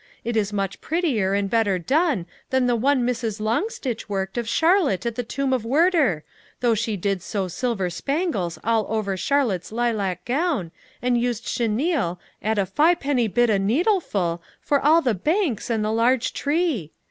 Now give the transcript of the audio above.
It is much prettier and better done than the one Miss Longstitch worked of Charlotte at the tomb of Werter, though she did sew silver spangles all over Charlotte's lilac gown, and used chenille, at a fi' penny bit a needleful, for all the banks and the large tree.